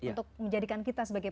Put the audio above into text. untuk menjadikan kita sebagai